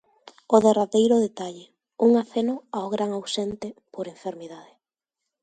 O derradeiro detalle: un aceno ao gran ausente por enfermidade.